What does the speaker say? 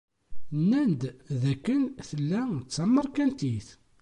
Nnan-d d akken tella d tamerkantit.